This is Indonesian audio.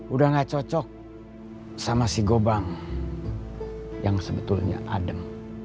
udah gak cocok sama si gobang yang sebetulnya adem